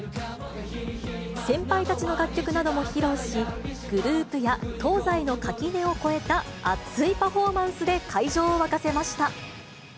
先輩たちの楽曲なども披露し、グループや東西の垣根を越えた熱いパフォーマンスで会場を沸かせました。